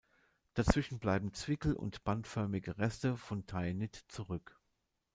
Dazwischen bleiben zwickel- und bandförmige Reste von Taenit zurück.